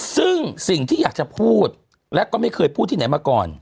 ซึ่งสิ่งที่อยากจะพูดและก็ไม่เคยพูดที่ไหนมาก่อน